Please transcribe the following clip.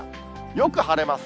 よく晴れます。